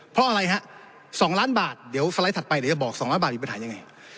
เพราะอะไรฮะ๒ล้านบาทเดี๋ยวสไลด์ถัดไปเดี๋ยวจะบอก๒๐๐บาทมีปัญหายังไง